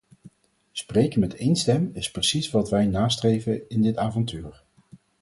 Spreken met één stem is precies wat wij nastreven in dit avontuur.